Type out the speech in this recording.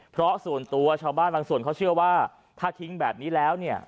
เพราะส่วนตัวชาวบ้านบางส่วนเขาเชื่อว่าถ้าทิ้งแบบนี้แล้วเนี่ย